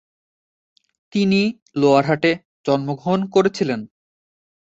তিনি লোয়ার হাটে জন্মগ্রহণ করেছিলেন।